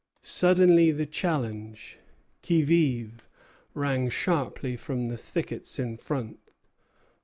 Suddenly the challenge, Qui vive! rang sharply from the thickets in front.